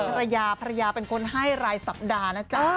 ภรรยาภรรยาเป็นคนให้รายสัปดาห์นะจ๊ะ